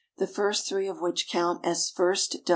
the first 3 of which count as first dc.